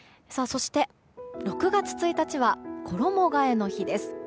そして、６月１日は衣替えの日です。